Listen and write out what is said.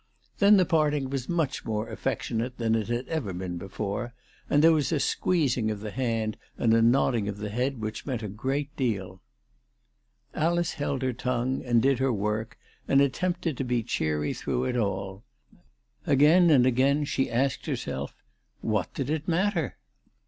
Then the parting was much more affectionate than it had ever been before, and there was a squeezing of the hand and a nodding of the head which meant a great deal. Alice held her tongue, and did her work and attempted to be cheery through it all. Again and again she asked herself, what did it matter